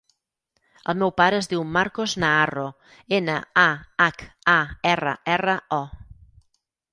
El meu pare es diu Marcos Naharro: ena, a, hac, a, erra, erra, o.